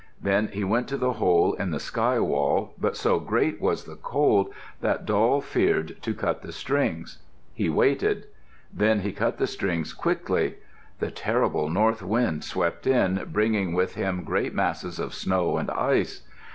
Then he went to the hole in the sky wall, but so great was the cold that Doll feared to cut the strings. He waited. Then he cut the strings quickly. The terrible North Wind swept in, bringing with him great masses of snow and ice.